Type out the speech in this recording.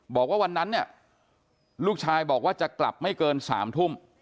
บอกว่าวันนั้นเนี่ยลูกชายบอกว่าจะกลับไม่เกิน๓ทุ่ม